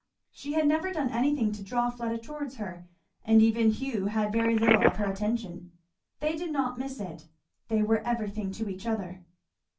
She had never done anything to draw Fleda towards her, and even Hugh had very little of her attention. They did not miss it. They were everything to each other.